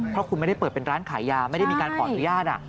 เพราะคุณไม่ได้เปิดเป็นร้านขายยาไม่ได้มีการขออนุญาต